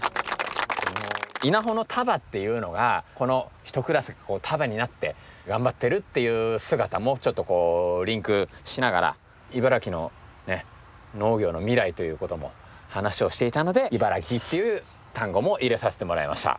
「稲穂の束」っていうのがこの１クラスが束になって頑張ってるっていう姿もちょっとリンクしながら茨城の農業の未来ということも話をしていたので「茨城」っていう単語も入れさせてもらいました。